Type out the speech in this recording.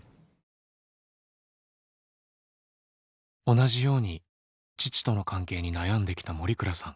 同じように父との関係に悩んできた森倉さん。